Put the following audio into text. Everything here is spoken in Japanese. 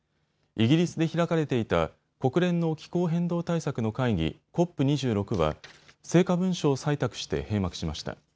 イギリスで開かれていた国連の気候変動対策の会議、ＣＯＰ２６は成果文書を採択して閉幕しました。